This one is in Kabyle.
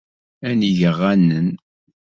Ad neg aɣanen.